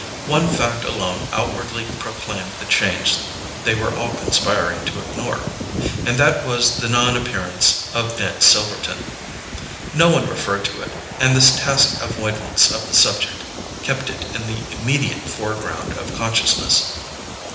One fact alone outwardly proclaimed the change they were all conspiring to ignore; and that was the non appearance of Ned Silverton. No one referred to it, and this tacit avoidance of the subject kept it in the immediate foreground of consciousness.